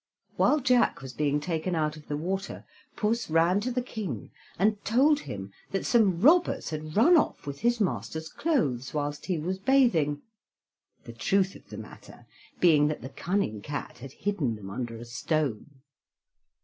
While Jack was being taken out of the water, Puss ran to the King and told him that some robbers had run off with his master's clothes whilst he was bathing, the truth of the matter being that the cunning cat had hidden them under a stone.